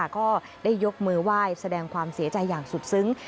ก็ได้ยกมือไหว้แสดงความเสียใจอย่างสุดซึ้ง